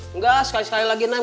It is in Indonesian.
enggak sekali sekali lagi